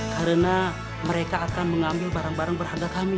karena mereka akan mengambil barang barang berharga kami